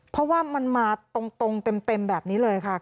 เพราะว่ามันมาตรงเต็มแบบนี้เลยค่ะ